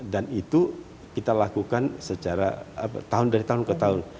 dan itu kita lakukan secara tahun dari tahun ke tahun